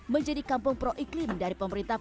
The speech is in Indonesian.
menjadi kampung pro iklim dari pemerintah